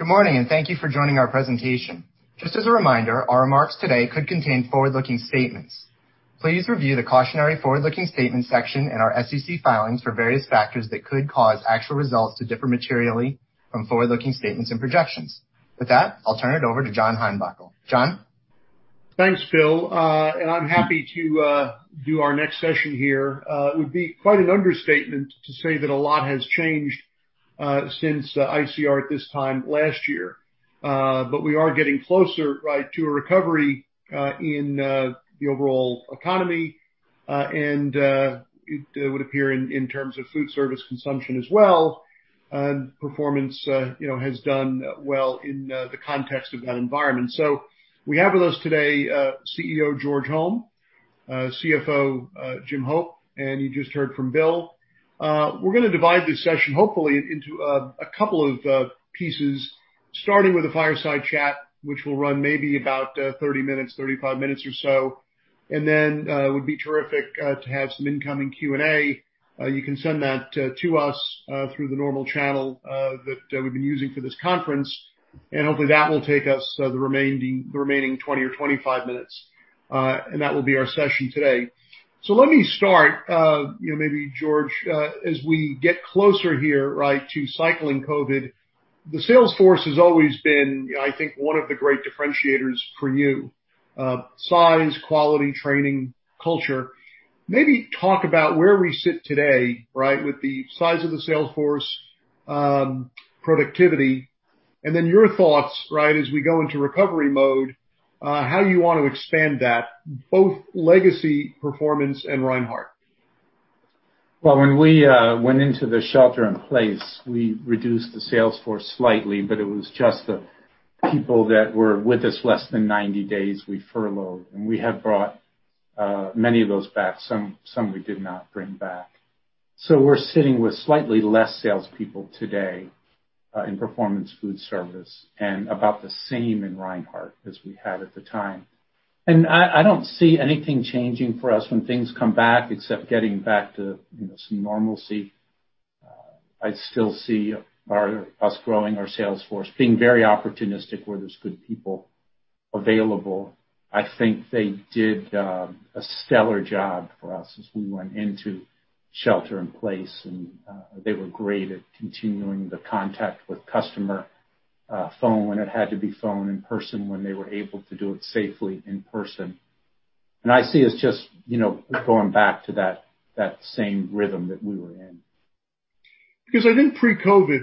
Good morning, and thank you for joining our presentation. Just as a reminder, our remarks today could contain forward-looking statements. Please review the cautionary forward-looking statements section in our SEC filings for various factors that could cause actual results to differ materially from forward-looking statements and projections. With that, I'll turn it over to John Heinbockel. John? Thanks, Bill. I'm happy to do our next session here. It would be quite an understatement to say that a lot has changed since ICR at this time last year. We are getting closer to a recovery in the overall economy. It would appear in terms of foodservice consumption as well, Performance has done well in the context of that environment. We have with us today CEO George Holm, CFO Jim Hope, and you just heard from Bill. We're going to divide this session, hopefully, into a couple of pieces, starting with a fireside chat, which will run maybe about 30 minutes, 35 minutes or so. It would be terrific to have some incoming Q&A. You can send that to us through the normal channel that we've been using for this conference, and hopefully, that will take us the remaining 20 or 25 minutes. That will be our session today. Let me start, maybe George, as we get closer here to cycling COVID, the sales force has always been, I think, one of the great differentiators for you. Size, quality, training, culture. Maybe talk about where we sit today. With the size of the sales force, productivity, and then your thoughts as we go into recovery mode, how you want to expand that, both legacy Performance and Reinhart. Well, when we went into the shelter in place, we reduced the sales force slightly, but it was just the people that were with us less than 90 days, we furloughed. We have brought many of those back. Some we did not bring back. We're sitting with slightly less salespeople today in Performance Foodservice and about the same in Reinhart as we had at the time. I don't see anything changing for us when things come back, except getting back to some normalcy. I still see us growing our sales force, being very opportunistic where there's good people available. I think they did a stellar job for us as we went into shelter in place. They were great at continuing the contact with customer phone when it had to be phone, in person when they were able to do it safely in person. I see us just going back to that same rhythm that we were in. I think pre-COVID,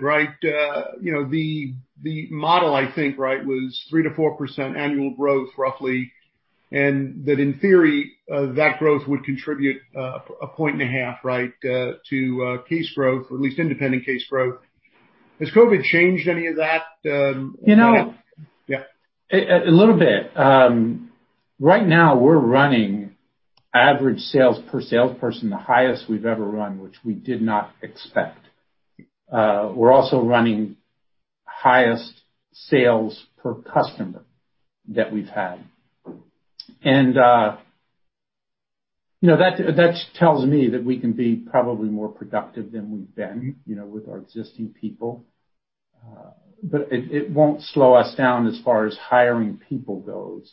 the model, I think, was 3%-4% annual growth, roughly, and that in theory, that growth would contribute 1.5 point to case growth, or at least independent case growth. Has COVID changed any of that at all? A little bit. Right now, we're running average sales per salesperson, the highest we've ever run, which we did not expect. We're also running highest sales per customer that we've had. That tells me that we can be probably more productive than we've been with our existing people. It won't slow us down as far as hiring people goes.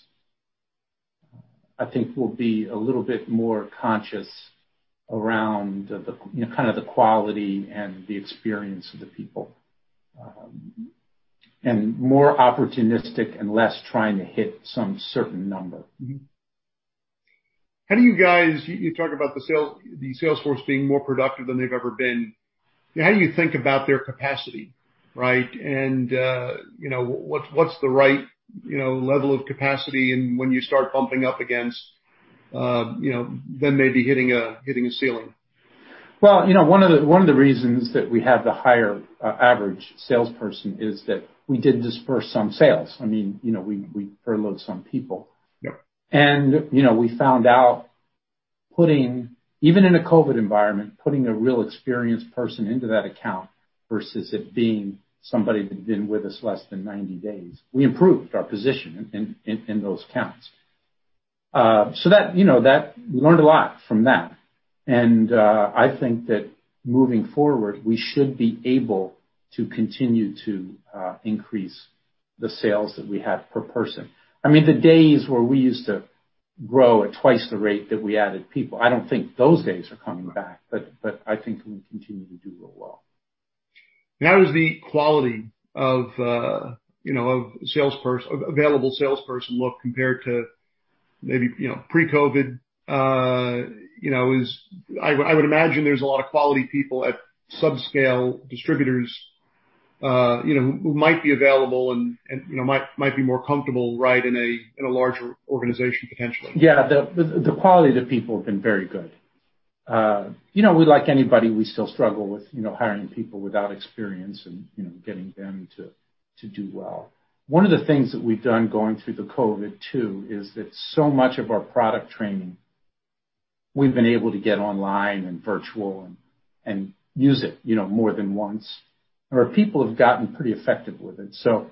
I think we'll be a little bit more conscious around the quality and the experience of the people. More opportunistic and less trying to hit some certain number. You talk about the sales force being more productive than they've ever been. How do you think about their capacity, and what's the right level of capacity? When you start bumping up against then maybe hitting a ceiling? Well, one of the reasons that we have the higher average salesperson is that we did disperse some sales. We furloughed some people. Yep. We found out, even in a COVID environment, putting a real experienced person into that account versus it being somebody that had been with us less than 90 days, we improved our position in those accounts. We learned a lot from that. I think that moving forward, we should be able to continue to increase the sales that we have per person. The days where we used to grow at twice the rate that we added people, I don't think those days are coming back, but I think we'll continue to do real well. How does the quality of available salesperson look compared to maybe pre-COVID? I would imagine there's a lot of quality people at sub-scale distributors who might be available and might be more comfortable in a larger organization, potentially. Yeah. The quality of the people have been very good. We're like anybody, we still struggle with hiring people without experience and getting them to do well. One of the things that we've done going through the COVID too, is that so much of our product training, we've been able to get online and virtual and use it more than once. Our people have gotten pretty effective with it, so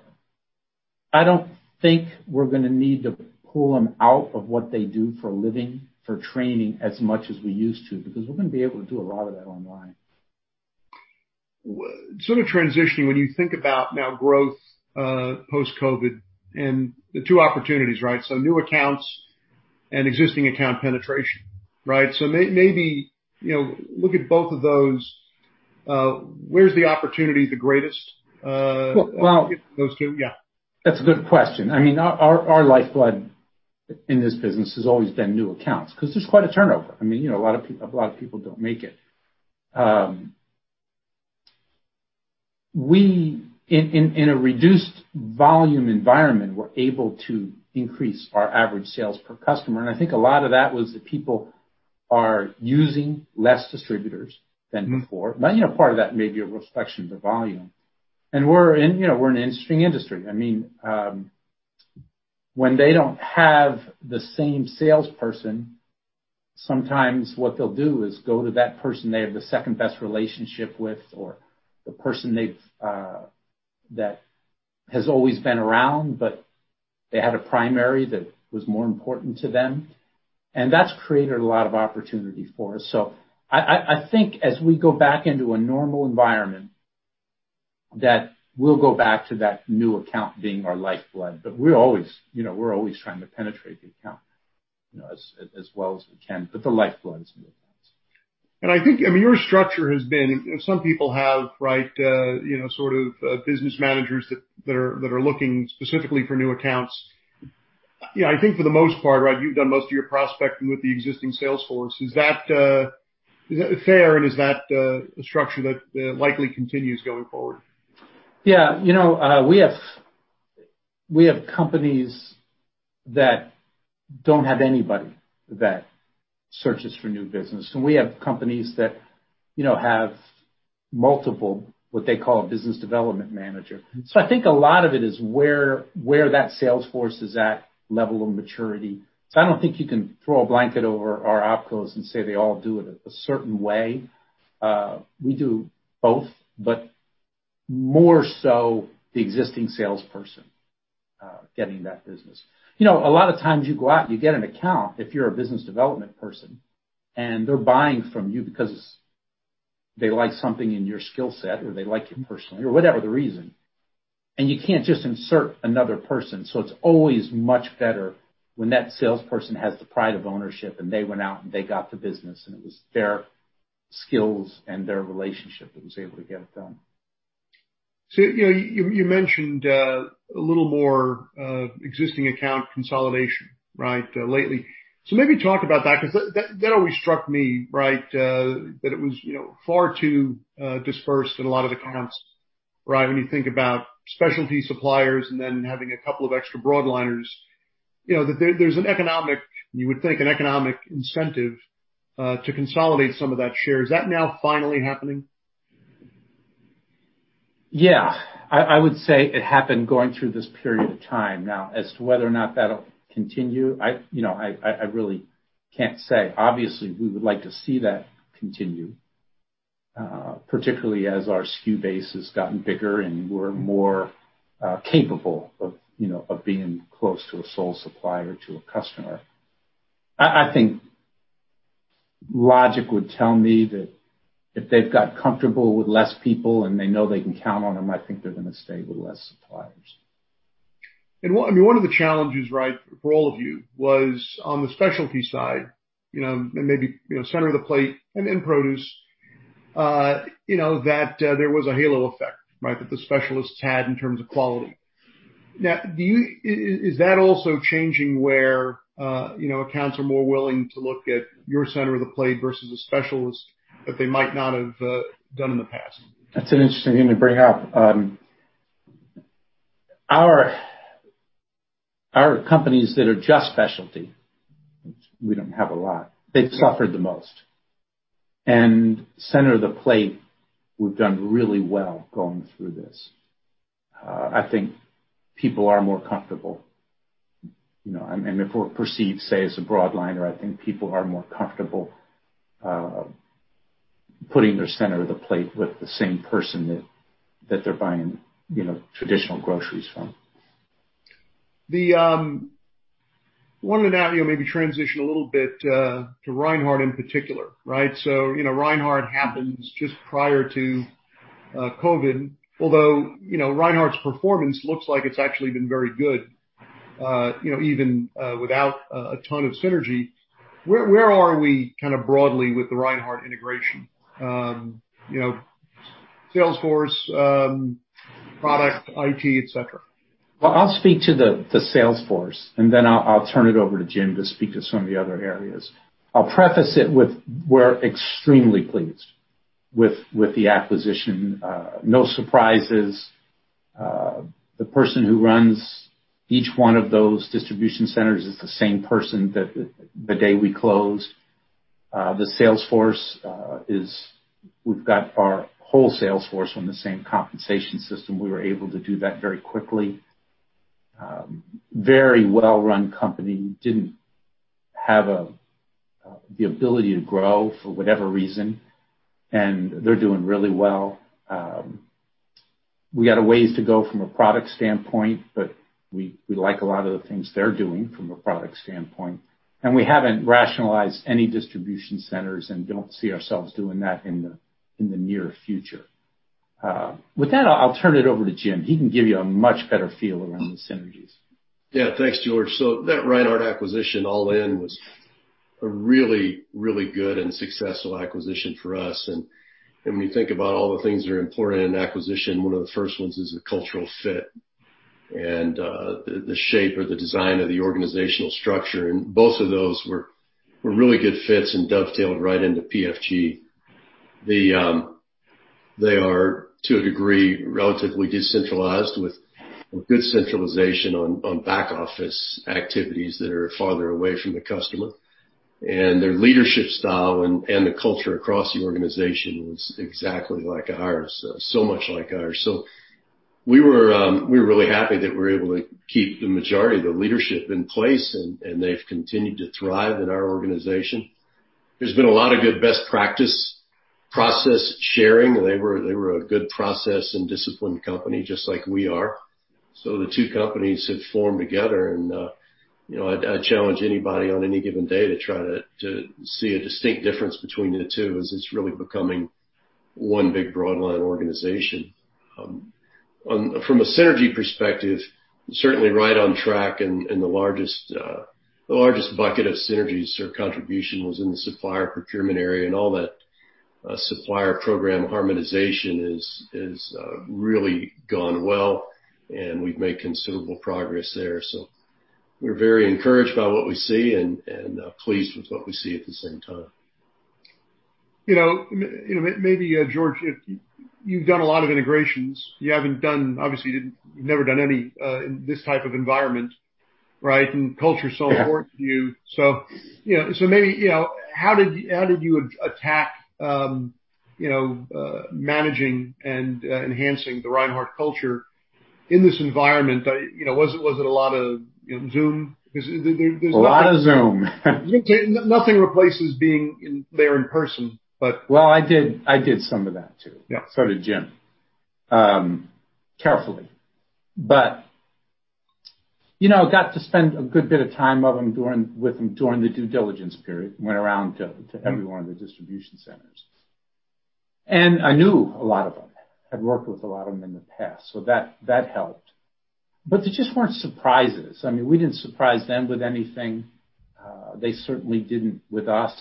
I don't think we're going to need to pull them out of what they do for a living, for training as much as we used to, because we're going to be able to do a lot of that online. Sort of transitioning, when you think about now growth post-COVID and the two opportunities, right? New accounts and existing account penetration, right? Maybe look at both of those. Where's the opportunity the greatest? Well- Those two, yeah. That's a good question. Our lifeblood in this business has always been new accounts, because there's quite a turnover. A lot of people don't make it. We, in a reduced volume environment, we're able to increase our average sales per customer, and I think a lot of that was that people are using less distributors than before. Part of that may be a reflection of the volume. We're an interesting industry. When they don't have the same salesperson, sometimes what they'll do is go to that person they have the second-best relationship with, or the person that has always been around, but they had a primary that was more important to them. That's created a lot of opportunity for us. I think as we go back into a normal environment, that we'll go back to that new account being our lifeblood. We're always trying to penetrate the account, as well as we can. The lifeblood is new accounts. I think your structure has been, some people have business managers that are looking specifically for new accounts. I think for the most part, you've done most of your prospecting with the existing sales force. Is that fair, and is that a structure that likely continues going forward? Yeah. We have companies that don't have anybody that searches for new business, and we have companies that have multiple, what they call a business development manager. I think a lot of it is where that sales force is at, level of maturity. I don't think you can throw a blanket over our opcos and say they all do it a certain way. We do both, but more so the existing salesperson getting that business. A lot of times you go out and you get an account, if you're a business development person, and they're buying from you because they like something in your skill set, or they like you personally, or whatever the reason, and you can't just insert another person. It's always much better when that salesperson has the pride of ownership, and they went out and they got the business, and it was their skills and their relationship that was able to get it done. You mentioned a little more existing account consolidation lately. Maybe talk about that, because that always struck me, that it was far too dispersed in a lot of accounts. When you think about specialty suppliers and then having a couple of extra broadliners. There's an economic, you would think, an economic incentive to consolidate some of that share. Is that now finally happening? Yeah. I would say it happened going through this period of time. Now, as to whether or not that'll continue, I really can't say. Obviously, we would like to see that continue, particularly as our SKU base has gotten bigger, and we're more capable of being close to a sole supplier to a customer. I think logic would tell me that if they've got comfortable with less people and they know they can count on them, I think they're going to stay with less suppliers. One of the challenges for all of you was on the specialty side, and maybe center of the plate and in produce, that there was a halo effect that the specialists had in terms of quality. Is that also changing where accounts are more willing to look at your center of the plate versus a specialist that they might not have done in the past? That's an interesting thing to bring up. Our companies that are just specialty, which we don't have a lot, they've suffered the most. Center of the plate, we've done really well going through this. I think people are more comfortable. If we're perceived, say, as a broadliner, I think people are more comfortable putting their center of the plate with the same person that they're buying traditional groceries from. One analogy, maybe transition a little bit to Reinhart in particular, right? Reinhart happens just prior to COVID. Although, Reinhart's performance looks like it's actually been very good even without a ton of synergy. Where are we kind of broadly with the Reinhart integration? Sales force, product, IT, et cetera. Well, I'll speak to the sales force, and then I'll turn it over to Jim to speak to some of the other areas. I'll preface it with we're extremely pleased with the acquisition. No surprises. The person who runs each one of those distribution centers is the same person the day we closed. We've got our whole sales force on the same compensation system. We were able to do that very quickly. Very well-run company. Didn't have the ability to grow for whatever reason, and they're doing really well. We got a ways to go from a product standpoint, but we like a lot of the things they're doing from a product standpoint. We haven't rationalized any distribution centers and don't see ourselves doing that in the near future. With that, I'll turn it over to Jim. He can give you a much better feel around the synergies. Thanks, George. That Reinhart acquisition all in was a really good and successful acquisition for us. When you think about all the things that are important in acquisition, one of the first ones is the cultural fit and the shape or the design of the organizational structure. Both of those were really good fits and dovetailed right into PFG. They are, to a degree, relatively decentralized with good centralization on back office activities that are farther away from the customer. Their leadership style and the culture across the organization was exactly like ours, so much like ours. We were really happy that we were able to keep the majority of the leadership in place, and they've continued to thrive in our organization. There's been a lot of good best practice process sharing. They were a good process and disciplined company, just like we are. The two companies have formed together and, I'd challenge anybody on any given day to try to see a distinct difference between the two, as it's really becoming one big broadliner organization. From a synergy perspective, certainly right on track and the largest bucket of synergies or contribution was in the supplier procurement area and all that supplier program harmonization has really gone well, and we've made considerable progress there. We're very encouraged by what we see and pleased with what we see at the same time. George, you've done a lot of integrations. Obviously, you've never done any in this type of environment, right? Yeah Culture is so important to you. Maybe, how did you attack managing and enhancing the Reinhart culture in this environment? Was it a lot of Zoom? A lot of Zoom. Nothing replaces being there in person. Well, I did some of that, too. Yeah. So did Jim. Carefully. I got to spend a good bit of time with them during the due diligence period, went around to every one of the distribution centers. I knew a lot of them. I'd worked with a lot of them in the past, so that helped. There just weren't surprises. We didn't surprise them with anything. They certainly didn't with us.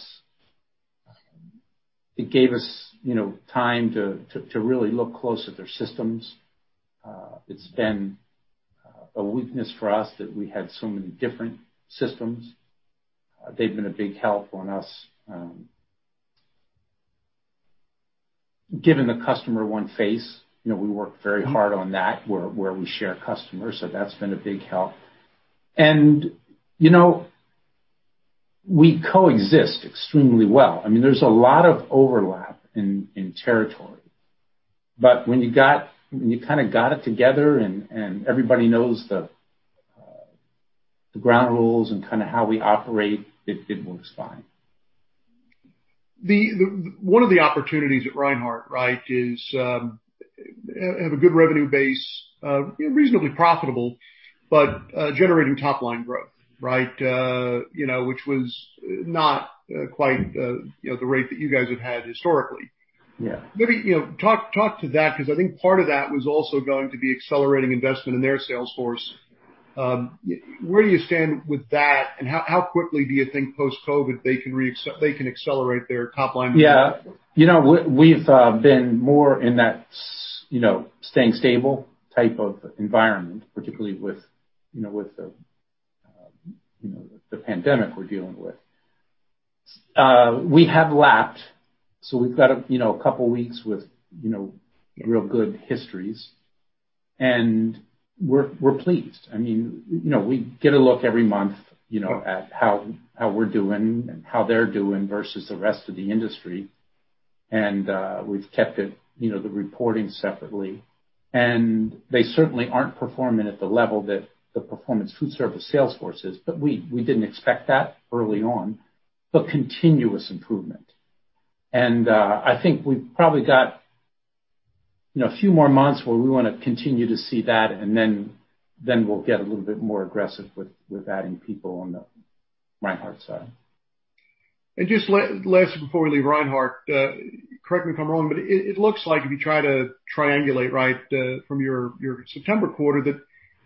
It gave us time to really look close at their systems. It's been a weakness for us that we had so many different systems. They've been a big help on us giving the customer one face. We work very hard on that, where we share customers, so that's been a big help. We coexist extremely well. There's a lot of overlap in territory. When you kind of got it together and everybody knows the ground rules and kind of how we operate, it works fine. One of the opportunities at Reinhart, right, is have a good revenue base, reasonably profitable, but generating top line growth, right. Which was not quite the rate that you guys have had historically. Yeah. Maybe talk to that, because I think part of that was also going to be accelerating investment in their sales force. Where do you stand with that, and how quickly do you think post-COVID they can accelerate their top line? We've been more in that staying stable type of environment, particularly with the pandemic we're dealing with. We have lapped, we've got a couple of weeks with real good histories, we're pleased. We get a look every month at how we're doing and how they're doing versus the rest of the industry. We've kept the reporting separately. They certainly aren't performing at the level that the Performance Foodservice sales force is, we didn't expect that early on, continuous improvement. I think we've probably got a few more months where we want to continue to see that, we'll get a little bit more aggressive with adding people on the Reinhart side. Just lastly before we leave Reinhart, correct me if I'm wrong, but it looks like if you try to triangulate, right, from your September quarter, that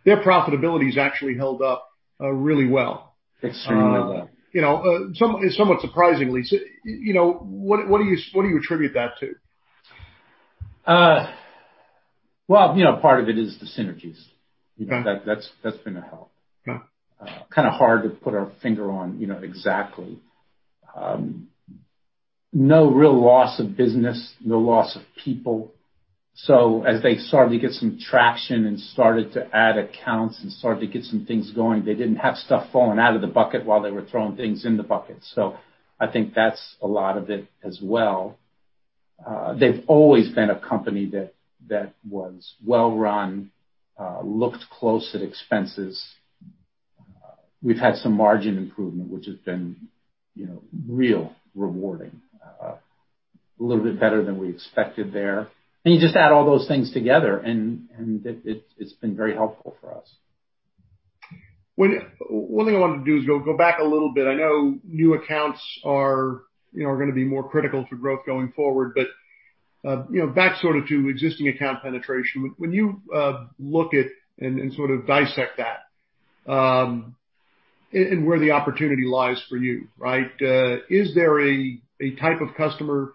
their profitability's actually held up really well. Extremely well. Somewhat surprisingly. What do you attribute that to? Well, part of it is the synergies. Okay. That's been a help. Yeah. Kind of hard to put our finger on exactly. No real loss of business, no loss of people. As they started to get some traction and started to add accounts and started to get some things going, they didn't have stuff falling out of the bucket while they were throwing things in the bucket. I think that's a lot of it as well. They've always been a company that was well-run, looked close at expenses. We've had some margin improvement, which has been real rewarding. A little bit better than we expected there. You just add all those things together, and it's been very helpful for us. One thing I wanted to do is go back a little bit. I know new accounts are going to be more critical to growth going forward. Back sort of to existing account penetration. When you look at and sort of dissect that, and where the opportunity lies for you. Is there a type of customer,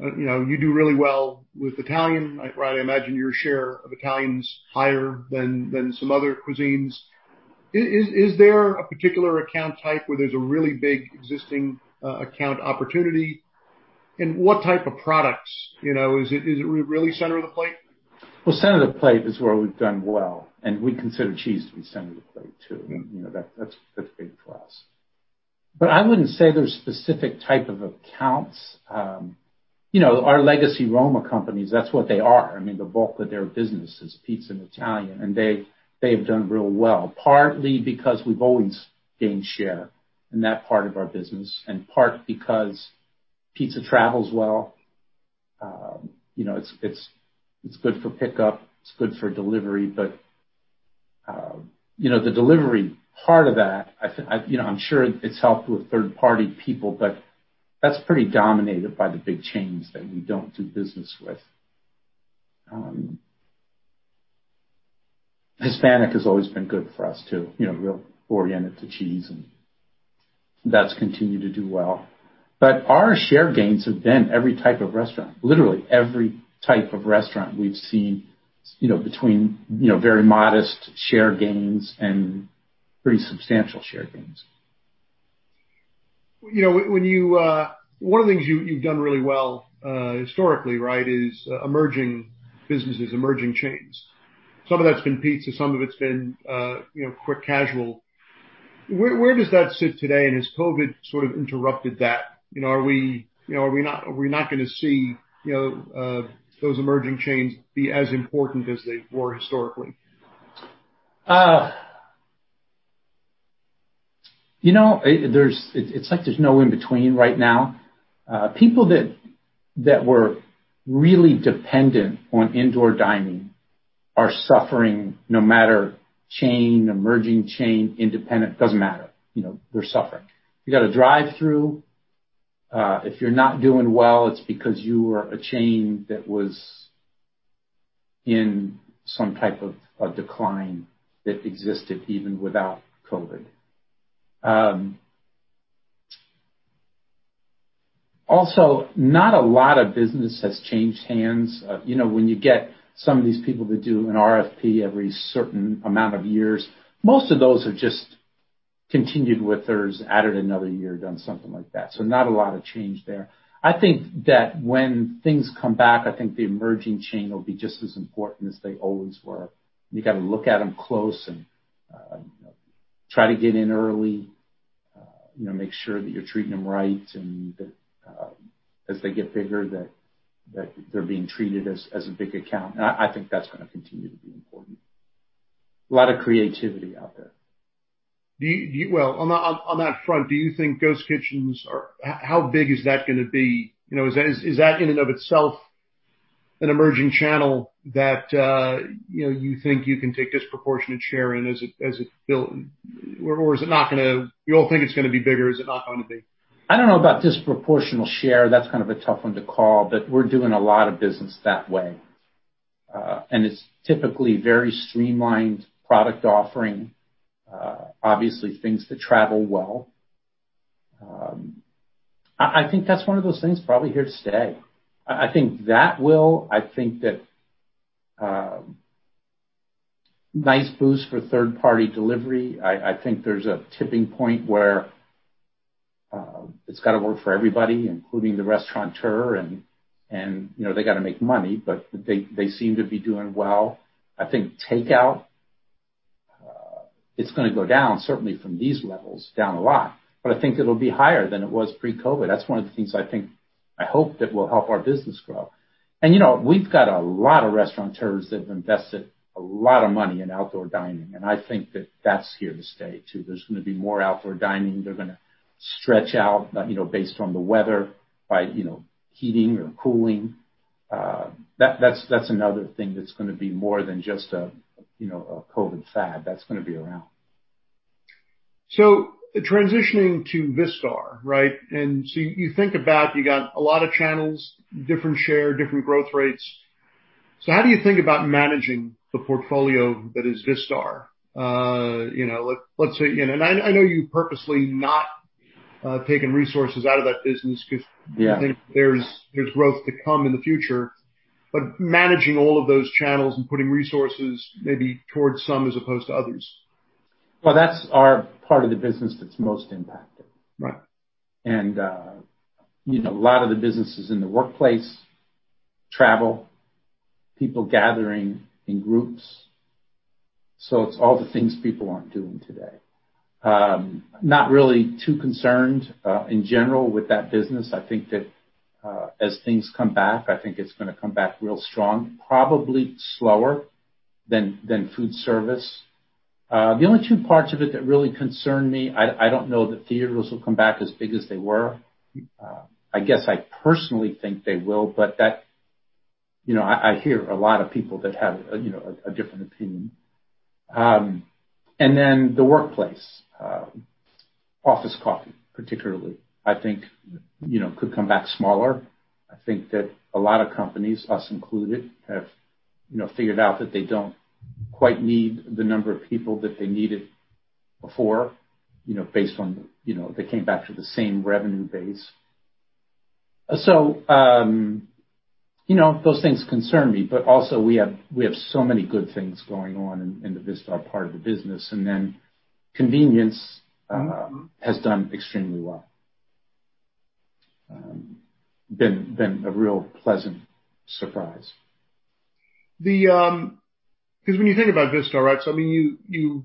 you do really well with Italian, I imagine your share of Italian's higher than some other cuisines. Is there a particular account type where there's a really big existing account opportunity? What type of products, is it really center of the plate? Center of the plate is where we've done well, and we consider cheese to be center of the plate, too. That's big for us. I wouldn't say there's specific type of accounts. Our legacy Roma companies, that's what they are. I mean, the bulk of their business is pizza and Italian, and they've done real well, partly because we've always gained share in that part of our business, and part because pizza travels well. It's good for pickup, it's good for delivery, but the delivery part of that, I'm sure it's helped with third-party people, but that's pretty dominated by the big chains that we don't do business with. Hispanic has always been good for us, too, real oriented to cheese, and that's continued to do well. Our share gains have been every type of restaurant. Literally, every type of restaurant we've seen, between very modest share gains and pretty substantial share gains. One of the things you've done really well historically is emerging businesses, emerging chains. Some of that's been pizza, some of it's been fast casual. Where does that sit today? Has COVID sort of interrupted that? Are we not going to see those emerging chains be as important as they were historically? It's like there's no in between right now. People that were really dependent on indoor dining are suffering no matter chain, emerging chain, independent, doesn't matter. They're suffering. If you got a drive-through, if you're not doing well, it's because you were a chain that was in some type of a decline that existed even without COVID. Not a lot of business has changed hands. When you get some of these people that do an RFP every certain amount of years, most of those have just continued with theirs, added another year, done something like that. Not a lot of change there. I think that when things come back, I think the emerging chain will be just as important as they always were. You got to look at them close and try to get in early, make sure that you're treating them right, and that as they get bigger, that they're being treated as a big account. I think that's going to continue to be important. A lot of creativity out there. On that front, do you think ghost kitchens How big is that going to be? Is that in and of itself an emerging channel that you think you can take disproportionate share in as it built? You all think it's going to be bigger? I don't know about disproportional share. That's kind of a tough one to call, but we're doing a lot of business that way. It's typically very streamlined product offering, obviously things that travel well. I think that's one of those things probably here to stay. I think that will. I think that nice boost for third-party delivery. I think there's a tipping point where it's got to work for everybody, including the restaurateur, and they got to make money, but they seem to be doing well. I think takeout, it's going to go down, certainly from these levels down a lot. I think it'll be higher than it was pre-COVID. That's one of the things I hope that will help our business grow. We've got a lot of restaurateurs that have invested a lot of money in outdoor dining, and I think that that's here to stay, too. There's going to be more outdoor dining. They're going to stretch out, based on the weather by heating or cooling. That's another thing that's going to be more than just a COVID fad. That's going to be around. Transitioning to Vistar. You think about, you got a lot of channels, different share, different growth rates. How do you think about managing the portfolio that is Vistar? I know you've purposely not taken resources out of that business because- Yeah there's growth to come in the future. Managing all of those channels and putting resources maybe towards some as opposed to others. Well, that's our part of the business that's most impacted. Right. A lot of the businesses in the workplace, travel, people gathering in groups. It's all the things people aren't doing today. Not really too concerned in general with that business. I think that as things come back, I think it's going to come back real strong, probably slower than foodservice. The only two parts of it that really concern me, I don't know that theaters will come back as big as they were. I guess I personally think they will, but I hear a lot of people that have a different opinion. Then the workplace, office coffee particularly, I think could come back smaller. I think that a lot of companies, us included, have figured out that they don't quite need the number of people that they needed before based on if they came back to the same revenue base. Those things concern me. We have so many good things going on in the Vistar part of the business, and then convenience has done extremely well, been a real pleasant surprise. When you think about Vistar, right? You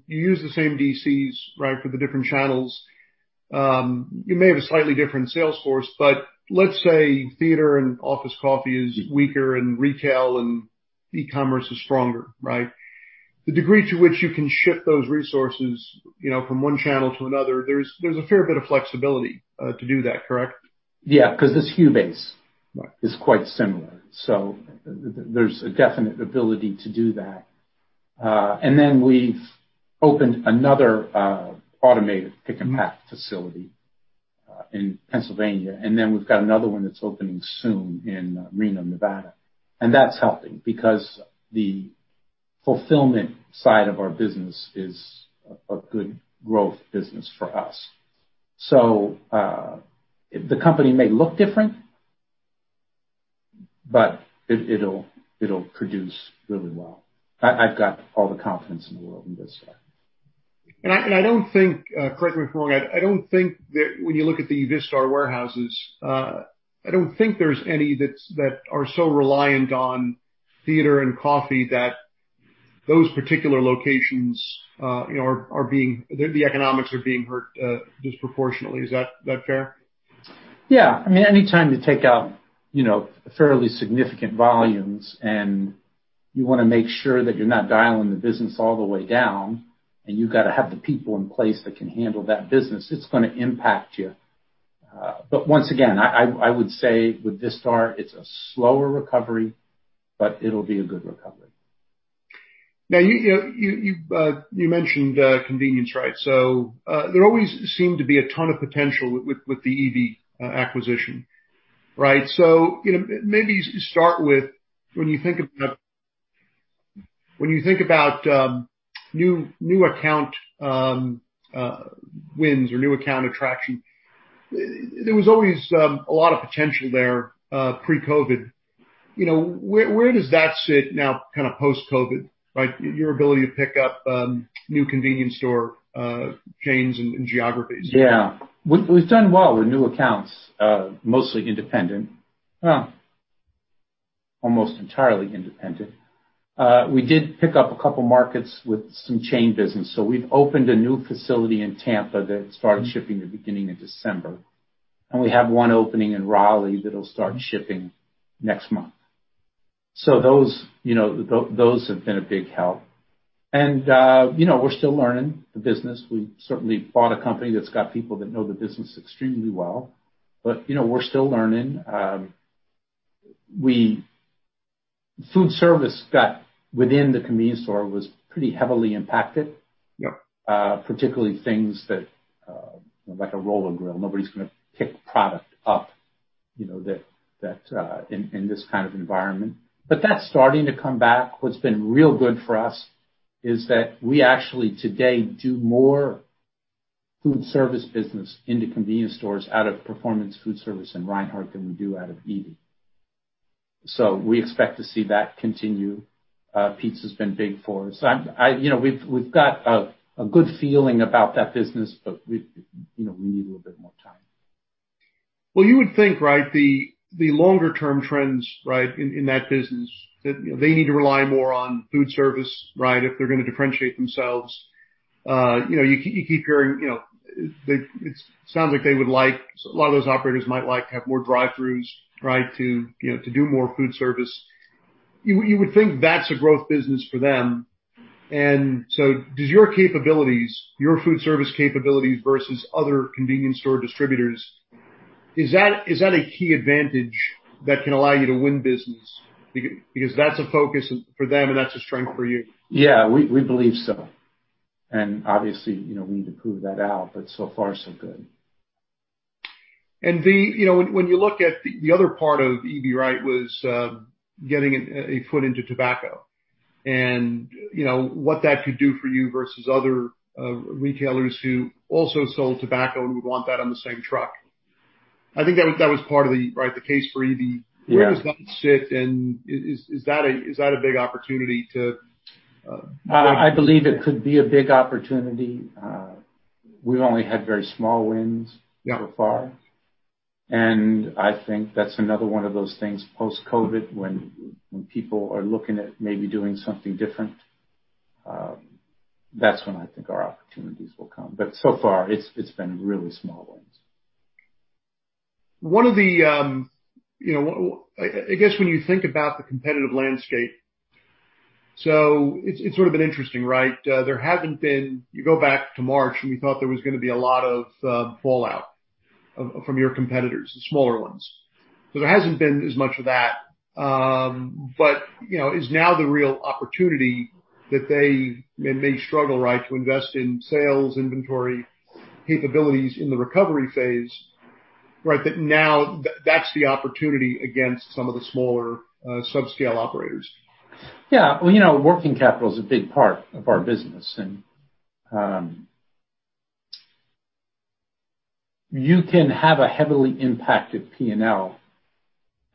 use the same DCs, right, for the different channels. You may have a slightly different sales force, but let's say theater and office coffee is weaker and retail and e-commerce is stronger, right? The degree to which you can shift those resources from one channel to another, there's a fair bit of flexibility to do that, correct? Yeah, because the SKU base- Right is quite similar. There's a definite ability to do that. We've opened another automated pick and pack facility in Pennsylvania, and then we've got another one that's opening soon in Reno, Nevada. That's helping because the fulfillment side of our business is a good growth business for us. The company may look different, but it'll produce really well. I've got all the confidence in the world in Vistar. I don't think, correct me if I'm wrong, when you look at the Vistar warehouses, I don't think there's any that are so reliant on theater and coffee that those particular locations, the economics are being hurt disproportionately. Is that fair? Yeah. Anytime you take out fairly significant volumes and you want to make sure that you're not dialing the business all the way down, and you've got to have the people in place that can handle that business, it's going to impact you. Once again, I would say with Vistar, it's a slower recovery, but it'll be a good recovery. You mentioned convenience, right? There always seemed to be a ton of potential with the Eby acquisition, right? Maybe start with when you think about new account wins or new account attraction, there was always a lot of potential there pre-COVID. Where does that sit now post-COVID, right? Your ability to pick up new convenience store chains and geographies. Yeah. We've done well with new accounts, mostly independent. Huh. Almost entirely independent. We did pick up a couple markets with some chain business. We've opened a new facility in Tampa that started shipping the beginning of December, and we have one opening in Raleigh that'll start shipping next month. Those have been a big help. We're still learning the business. We certainly bought a company that's got people that know the business extremely well, but we're still learning. Food service within the convenience store was pretty heavily impacted. Yep. Particularly things like a roller grill. Nobody's going to pick product up in this kind of environment. That's starting to come back. What's been real good for us is that we actually today do more food service business into convenience stores out of Performance Foodservice and Reinhart than we do out of Eby. We expect to see that continue. Pizza's been big for us. We've got a good feeling about that business, but we need a little bit more time. Well, you would think, right, the longer term trends, right, in that business, that they need to rely more on food service, right, if they're going to differentiate themselves. You keep hearing, it sounds like a lot of those operators might like to have more drive-throughs, right, to do more food service. You would think that's a growth business for them. Does your food service capabilities versus other convenience store distributors, is that a key advantage that can allow you to win business? Is that a focus for them, and that's a strength for you? Yeah, we believe so. Obviously, we need to prove that out, but so far so good. When you look at the other part of Eby was getting a foot into tobacco, and what that could do for you versus other retailers who also sold tobacco and would want that on the same truck. I think that was part of the case for Eby. Yeah. Where does that sit, and is that a big opportunity to-? I believe it could be a big opportunity. We've only had very small wins so far. I think that's another one of those things post-COVID, when people are looking at maybe doing something different, that's when I think our opportunities will come. So far, it's been really small ones. I guess when you think about the competitive landscape, it's sort of been interesting, right? You go back to March, we thought there was going to be a lot of fallout from your competitors, the smaller ones. There hasn't been as much of that. Is now the real opportunity that they may struggle, right, to invest in sales, inventory capabilities in the recovery phase, right? That now that's the opportunity against some of the smaller sub-scale operators. Well, working capital is a big part of our business, and you can have a heavily impacted P&L,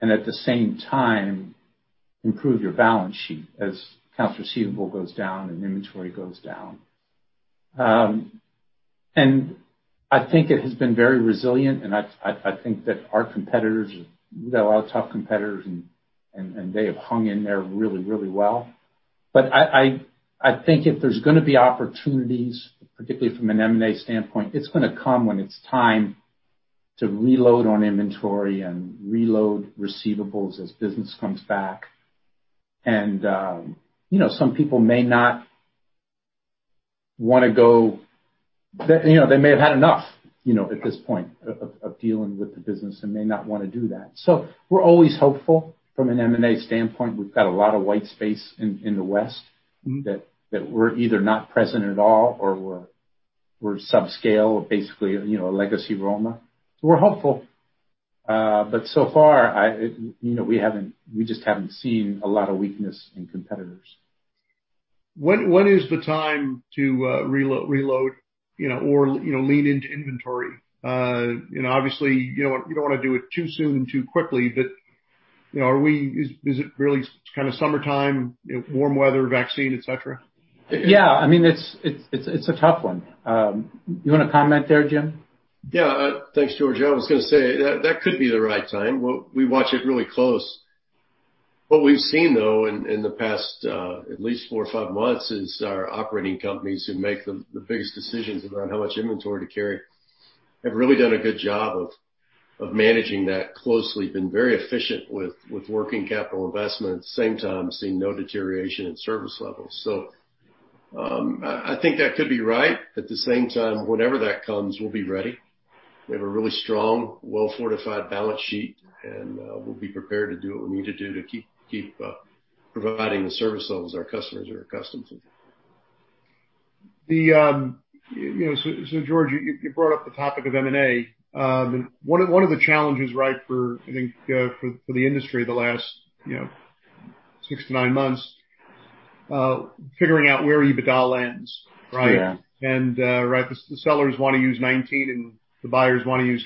and at the same time improve your balance sheet as accounts receivable goes down and inventory goes down. I think it has been very resilient, and I think that our competitors, we've got a lot of tough competitors, and they have hung in there really, really well. I think if there's going to be opportunities, particularly from an M&A standpoint, it's going to come when it's time to reload on inventory and reload receivables as business comes back. Some people may not want to go. They may have had enough at this point of dealing with the business and may not want to do that. We're always hopeful from an M&A standpoint. We've got a lot of white space in the west that we're either not present at all or we're sub-scale or basically a legacy Roma. We're hopeful. So far, we just haven't seen a lot of weakness in competitors. When is the time to reload or lean into inventory? Obviously, you don't want to do it too soon and too quickly. Is it really kind of summertime, warm weather, vaccine, et cetera? It's a tough one. You want to comment there, Jim? Yeah. Thanks, George. I was going to say, that could be the right time. We watch it really close. What we've seen, though, in the past at least four or five months, is our operating companies who make the biggest decisions around how much inventory to carry have really done a good job of managing that closely, been very efficient with working capital investments, same time, seeing no deterioration in service levels. I think that could be right. At the same time, whenever that comes, we'll be ready. We have a really strong, well-fortified balance sheet, and we'll be prepared to do what we need to do to keep providing the service levels our customers are accustomed to. George, you brought up the topic of M&A. One of the challenges, I think, for the industry the last six to nine months, figuring out where EBITDA lands, right? Yeah. The sellers want to use 2019, and the buyers want to use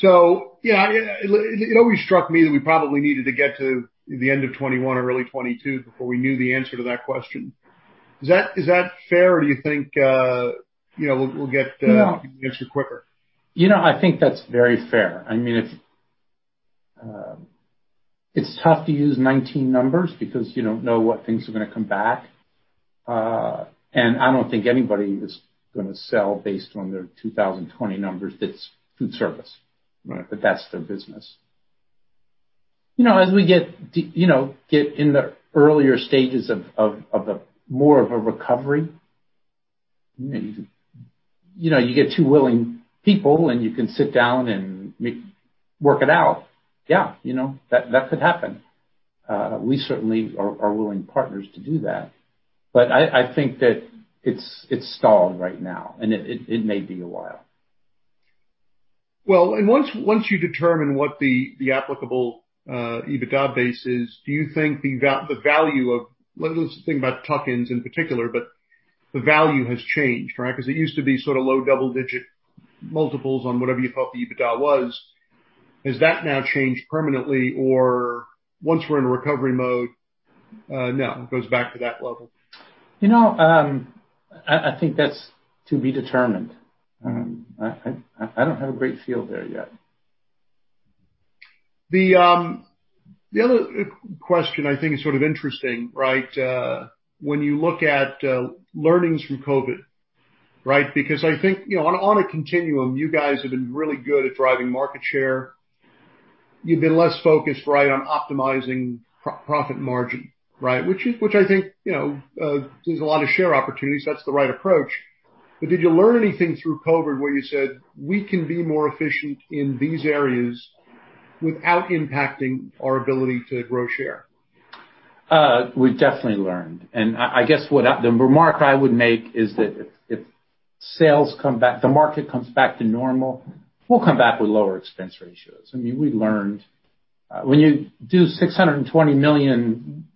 2020. It always struck me that we probably needed to get to the end of 2021 or early 2022 before we knew the answer to that question. Is that fair, or do you think we'll get the answer quicker? I think that's very fair. It's tough to use 2019 numbers because you don't know what things are going to come back. I don't think anybody is going to sell based on their 2020 numbers that's foodservice. Right. But, that's their business. As we get in the earlier stages of more of a recovery, you get two willing people, and you can sit down and work it out. Yeah. That could happen. We certainly are willing partners to do that. I think that it's stalled right now, and it may be a while. Once you determine what the applicable EBITDA base is, do you think the value of, let's think about tuck-ins in particular, but the value has changed, right? It used to be sort of low double-digit multiples on whatever you thought the EBITDA was. Has that now changed permanently? Once we're in recovery mode, no, it goes back to that level? I think that's to be determined. I don't have a great feel there yet. The other question I think is sort of interesting when you look at learnings from COVID. I think on a continuum, you guys have been really good at driving market share. You've been less focused on optimizing profit margin. Which I think leaves a lot of share opportunities. That's the right approach. Did you learn anything through COVID where you said, "We can be more efficient in these areas without impacting our ability to grow share? We've definitely learned. I guess the remark I would make is that if the market comes back to normal, we'll come back with lower expense ratios. We learned. When you do $620 million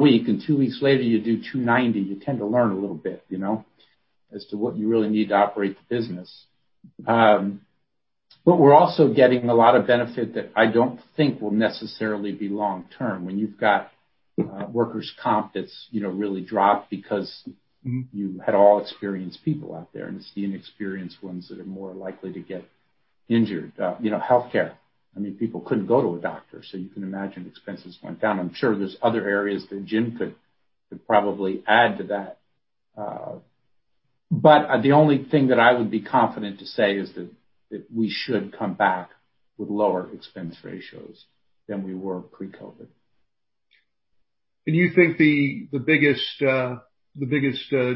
week, and two weeks later you do $290 million, you tend to learn a little bit as to what you really need to operate the business. We're also getting a lot of benefit that I don't think will necessarily be long-term. When you've got Workers' comp that's really dropped because you had all experienced people out there and it's the inexperienced ones that are more likely to get injured. Healthcare. People couldn't go to a doctor, so you can imagine expenses went down. I'm sure there's other areas that Jim could probably add to that. The only thing that I would be confident to say is that we should come back with lower expense ratios than we were pre-COVID. You think the biggest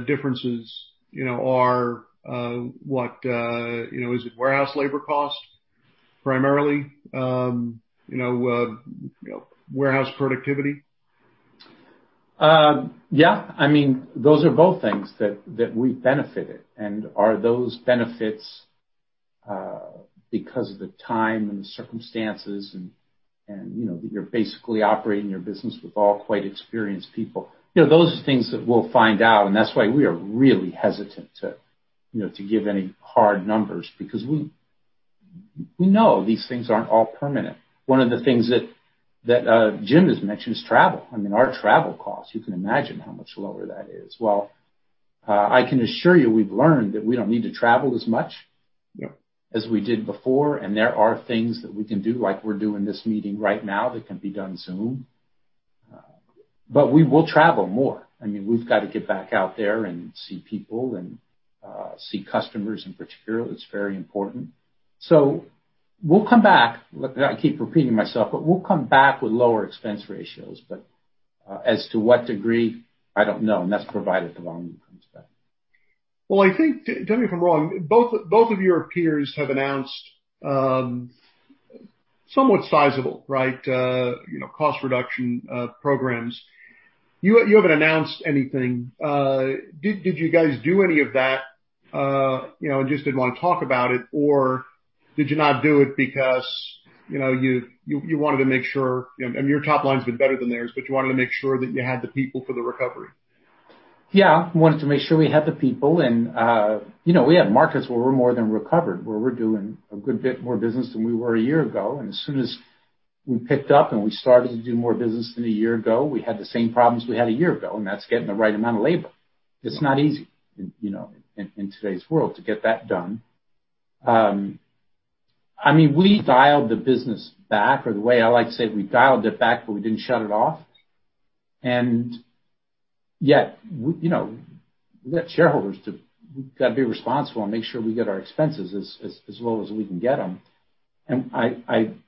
differences are, what? Is it warehouse labor cost primarily? Warehouse productivity? Yeah. Those are both things that we benefited. Are those benefits because of the time and the circumstances and that you're basically operating your business with all quite experienced people? Those are things that we'll find out. That's why we are really hesitant to give any hard numbers, because we know these things aren't all permanent. One of the things that Jim has mentioned is travel. Our travel costs, you can imagine how much lower that is. Well, I can assure you, we've learned that we don't need to travel as much. Yeah as we did before, and there are things that we can do, like we're doing this meeting right now, that can be done on Zoom. We will travel more. We've got to get back out there and see people and see customers in particular. That's very important. We'll come back. Look, I keep repeating myself, but we'll come back with lower expense ratios. As to what degree, I don't know, and that's provided the volume comes back. Well, I think, tell me if I'm wrong, both of your peers have announced somewhat sizable cost reduction programs. You haven't announced anything. Did you guys do any of that, and just didn't want to talk about it? Or did you not do it because you wanted to make sure, and your top line's been better than theirs, but you wanted to make sure that you had the people for the recovery? Yeah. Wanted to make sure we had the people and we had markets where we're more than recovered, where we're doing a good bit more business than we were a year ago. As soon as we picked up and we started to do more business than a year ago, we had the same problems we had a year ago, and that's getting the right amount of labor. It's not easy in today's world to get that done. We dialed the business back, or the way I like to say it, we dialed it back, but we didn't shut it off. Yet, we've got shareholders, we've got to be responsible and make sure we get our expenses as low as we can get them.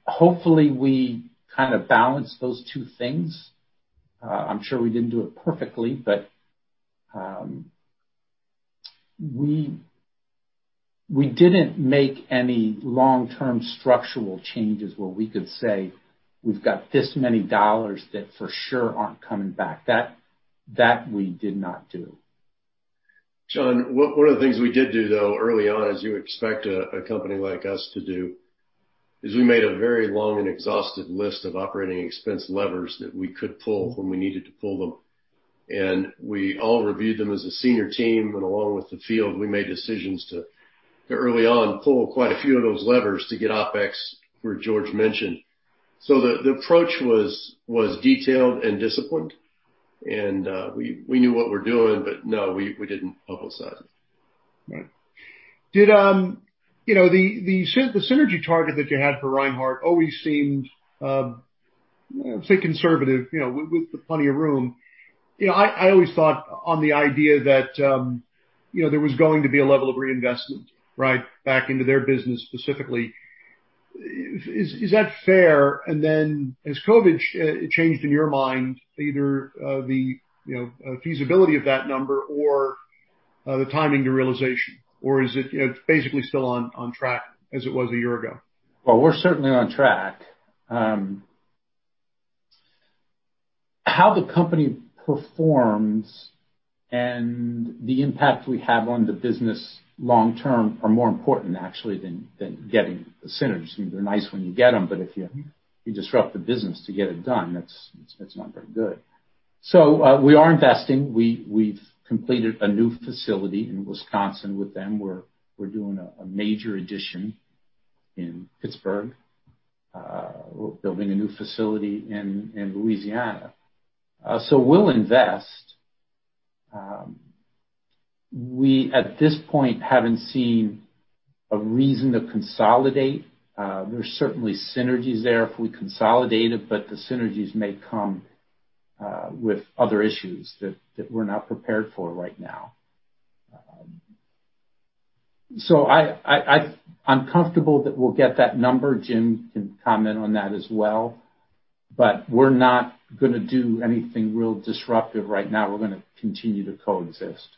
Hopefully, we kind of balanced those two things. I'm sure we didn't do it perfectly, but we didn't make any long-term structural changes where we could say we've got this many dollars that for sure aren't coming back. That we did not do. John, one of the things we did do, though, early on, as you expect a company like us to do, is we made a very long and exhaustive list of operating expense levers that we could pull when we needed to pull them. We all reviewed them as a senior team, and along with the field, we made decisions to early on pull quite a few of those levers to get Opex where George mentioned. The approach was detailed and disciplined, and we knew what we were doing, but no, we didn't publicize it. Right. The synergy target that you had for Reinhart always seemed, say, conservative, with plenty of room. I always thought on the idea that there was going to be a level of reinvestment back into their business specifically. Is that fair? Then has COVID changed in your mind, either the feasibility of that number or the timing to realization? Or is it basically still on track as it was a year ago? Well, we're certainly on track. How the company performs and the impact we have on the business long term are more important, actually, than getting the synergies. They're nice when you get them, but if you disrupt the business to get it done, that's not very good. We are investing. We've completed a new facility in Wisconsin with them. We're doing a major addition in Pittsburgh. We're building a new facility in Louisiana. We'll invest. We, at this point, haven't seen a reason to consolidate. There's certainly synergies there if we consolidated, the synergies may come with other issues that we're not prepared for right now. I'm comfortable that we'll get that number. Jim can comment on that as well. We're not going to do anything real disruptive right now. We're going to continue to coexist.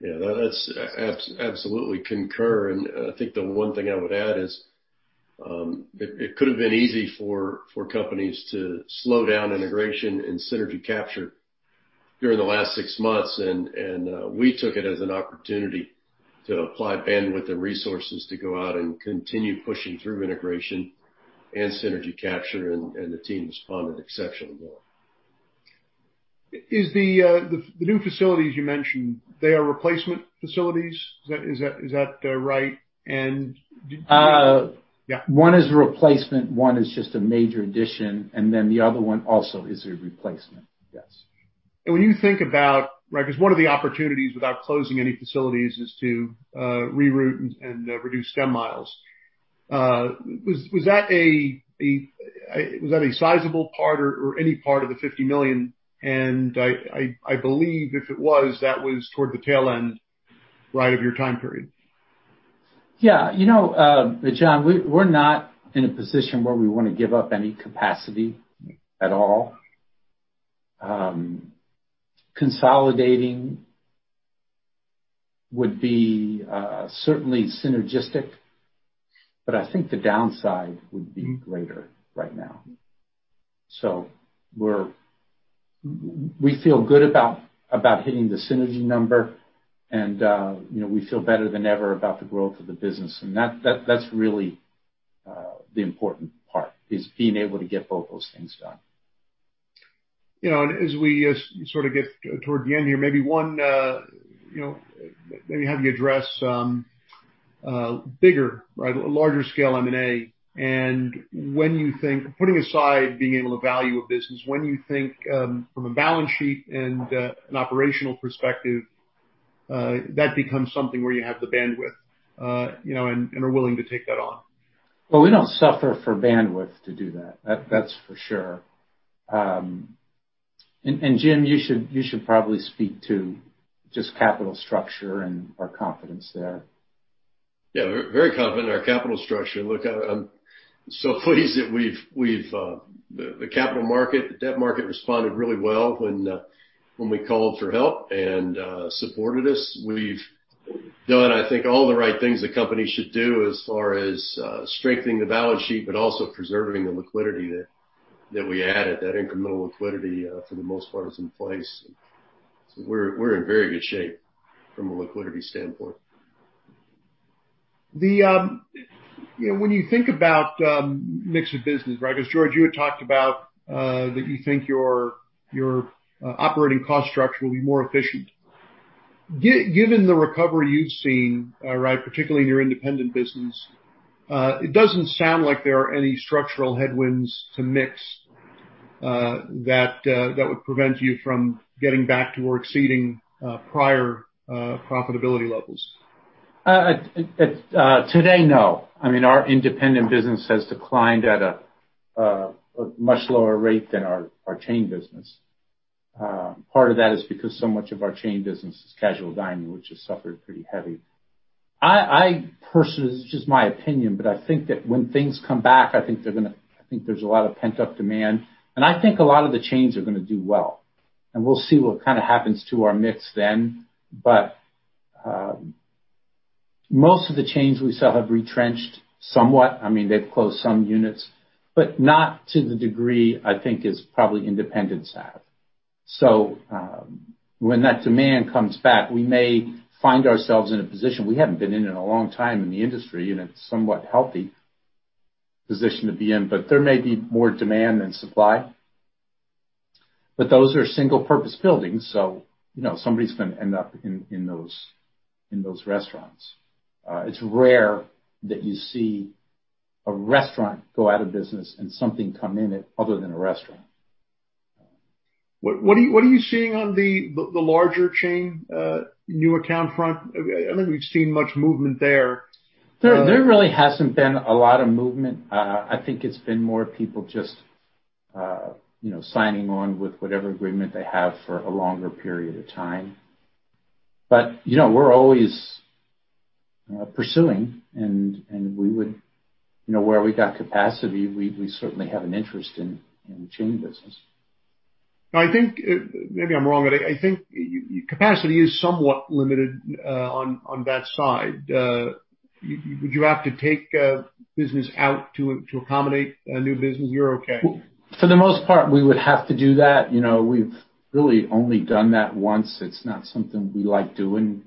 Yeah. That's absolutely concur. I think the one thing I would add is it could have been easy for companies to slow down integration and synergy capture during the last six months. We took it as an opportunity to apply bandwidth and resources to go out and continue pushing through integration and synergy capture. The team responded exceptionally well. Is the new facilities you mentioned, they are replacement facilities? Is that right? One is a replacement, one is just a major addition, and then the other one also is a replacement. Yes. When you think about, because one of the opportunities without closing any facilities is to reroute and reduce stem miles, was that a sizable part or any part of the $50 million? I believe if it was, that was toward the tail end of your time period. Yeah. John, we're not in a position where we want to give up any capacity at all. Consolidating would be certainly synergistic, but I think the downside would be greater right now. We feel good about hitting the synergy number and we feel better than ever about the growth of the business. That's really the important part, is being able to get both those things done. As we sort of get toward the end here, maybe let me have you address bigger, larger scale M&A. When you think, putting aside being able to value a business, when you think from a balance sheet and an operational perspective, that becomes something where you have the bandwidth and are willing to take that on. Well, we don't suffer for bandwidth to do that. That's for sure. Jim, you should probably speak to just capital structure and our confidence there. Yeah, very confident in our capital structure. Look, I'm so pleased that the capital market, the debt market responded really well when we called for help and supported us. We've done, I think, all the right things a company should do as far as strengthening the balance sheet, but also preserving the liquidity that we added. That incremental liquidity, for the most part, is in place. We're in very good shape from a liquidity standpoint. When you think about mix of business, George, you had talked about that you think your operating cost structure will be more efficient. Given the recovery you've seen, particularly in your independent business, it doesn't sound like there are any structural headwinds to mix that would prevent you from getting back to, or exceeding prior profitability levels. Today, no. Our independent business has declined at a much lower rate than our chain business. Part of that is because so much of our chain business is casual dining, which has suffered pretty heavy. This is just my opinion. I think that when things come back, I think there's a lot of pent-up demand. I think a lot of the chains are going to do well. We'll see what kind of happens to our mix then. Most of the chains we sell have retrenched somewhat. They've closed some units, but not to the degree I think is probably independents have. When that demand comes back, we may find ourselves in a position we haven't been in in a long time in the industry, and it's a somewhat healthy position to be in. There may be more demand than supply. Those are single-purpose buildings, so somebody's going to end up in those restaurants. It's rare that you see a restaurant go out of business and something come in it other than a restaurant. What are you seeing on the larger chain new account front? I don't think we've seen much movement there. There really hasn't been a lot of movement. I think it's been more people just signing on with whatever agreement they have for a longer period of time. We're always pursuing, and where we've got capacity, we certainly have an interest in the chain business. Maybe I'm wrong, but I think capacity is somewhat limited on that side. Would you have to take business out to accommodate a new business? You're okay. For the most part, we would have to do that. We've really only done that once. It's not something we like doing.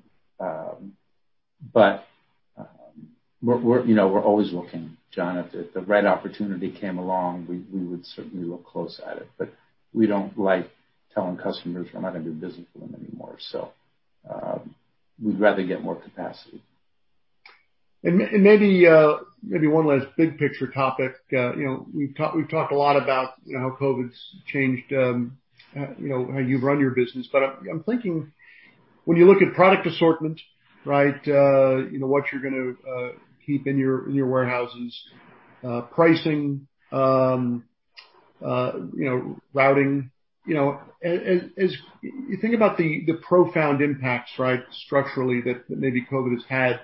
We're always looking, John. If the right opportunity came along, we would certainly look close at it. We don't like telling customers we're not going to do business with them anymore. We'd rather get more capacity. Maybe one last big-picture topic. We've talked a lot about how COVID's changed how you run your business. I'm thinking when you look at product assortment, what you're going to keep in your warehouses, pricing, routing. As you think about the profound impacts structurally that maybe COVID has had,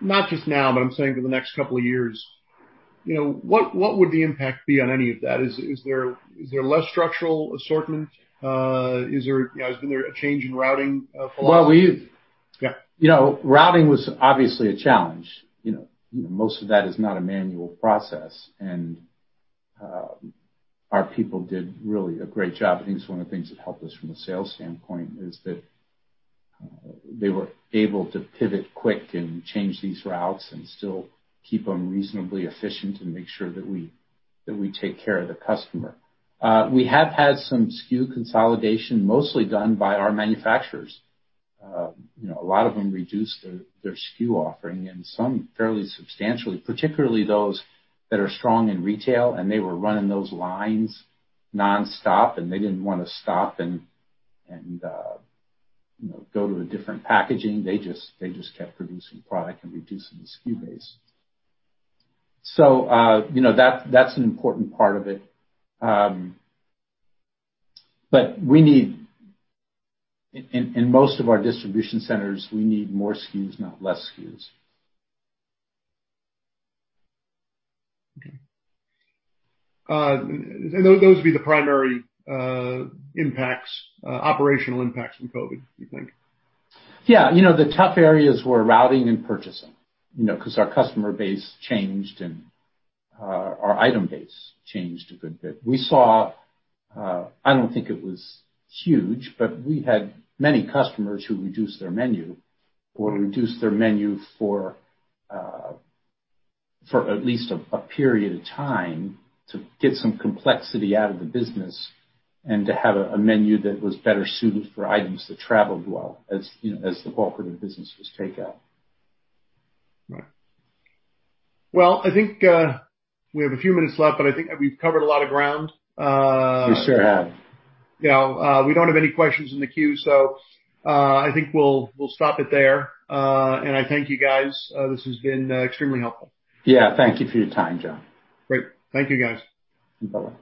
not just now, but I'm saying for the next couple of years, what would the impact be on any of that? Is there less structural assortment? Has there been a change in routing philosophy? Well, we've- Yeah You know, routing was obviously a challenge. Most of that is not a manual process, and our people did really a great job. I think it's one of the things that helped us from a sales standpoint is that they were able to pivot quick and change these routes and still keep them reasonably efficient and make sure that we take care of the customer. We have had some SKU consolidation, mostly done by our manufacturers. A lot of them reduced their SKU offering, and some fairly substantially, particularly those that are strong in retail, and they were running those lines nonstop, and they didn't want to stop and go to a different packaging. They just kept producing product and reducing the SKU base. That's an important part of it. In most of our distribution centers, we need more SKUs, not less SKUs. Okay. Those would be the primary impacts, operational impacts from COVID, you think? Yeah. The tough areas were routing and purchasing, because our customer base changed and our item base changed a good bit. We saw, I don't think it was huge, but we had many customers who reduced their menu, or reduced their menu for at least a period of time to get some complexity out of the business and to have a menu that was better suited for items that traveled well, as the bulk of the business was takeout. Right. Well, I think we have a few minutes left, but I think we've covered a lot of ground. We sure have. We don't have any questions in the queue, so I think we'll stop it there. I thank you guys. This has been extremely helpful. Yeah. Thank you for your time, John. Great. Thank you, guys. Bye-bye.